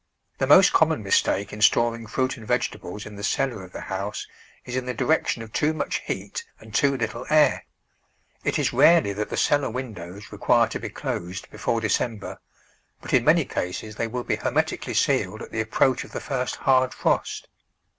The most common mistake in storing fruit and vegetables in the cellar of the house is in the direction of too much heat and too little air. It is rarely that the cellar windows require to be closed STORING VEGETABLES IN WINTER before December, but in many cases they will be hermetically sealed at the approach of the first hard frost.